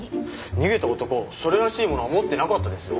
逃げた男それらしいものは持ってなかったですよ。